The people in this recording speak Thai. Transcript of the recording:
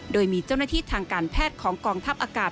โดยมีเจ้าหน้าที่ทางการแพทย์ของกองทัพอากาศ